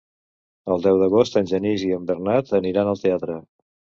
El deu d'agost en Genís i en Bernat aniran al teatre.